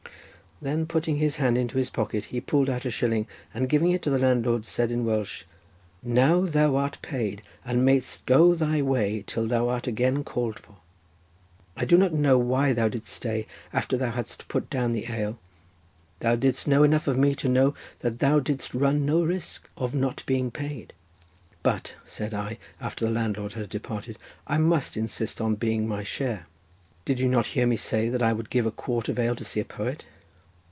Then putting his hand into his pocket he pulled out a shilling, and giving it to the landlord said in Welsh: "Now thou art paid, and mayst go thy ways till thou art again called for. I do not know why thou didst stay after thou hadst put down the ale. Thou didst know enough of me to know that thou didst run no risk of not being paid." "But," said I, after the landlord had departed, "I must insist on being my share. Did you not hear me say that I would give a quart of ale to see a poet?"